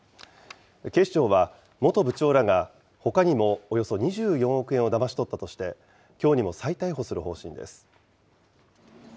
警視庁は、元部長らがほかにもおよそ２４億円をだまし取ったとして、きょうにも再逮捕する方針です。